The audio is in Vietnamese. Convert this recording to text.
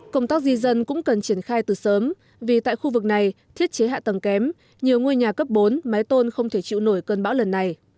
công tác di dân cũng cần triển khai từ sớm vì tại khu vực này thiết chế hạ tầng kém nhiều ngôi nhà cấp bốn máy tôn không thể chịu nổi cơn bão lần này